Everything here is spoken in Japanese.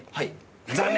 残念！